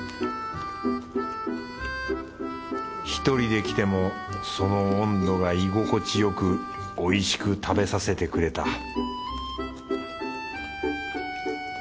１人で来てもその温度が居心地よくおいしく食べさせてくれた